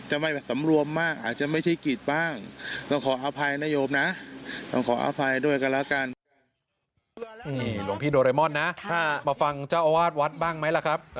นี่หลวงพี่โดเรมอนนะมาฟังเจ้าอาวาสวัดบ้างไหมล่ะครับ